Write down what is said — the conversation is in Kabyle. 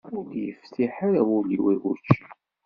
Ur d-yeftiḥ ara wul-iw i wučči.